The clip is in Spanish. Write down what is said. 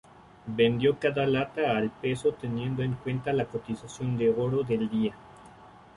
Vendió cada lata al peso teniendo en cuenta la cotización de oro del día.